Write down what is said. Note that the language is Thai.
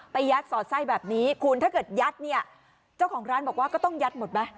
ยัดสอดไส้แบบนี้คุณถ้าเกิดยัดเนี่ยเจ้าของร้านบอกว่าก็ต้องยัดหมดไหม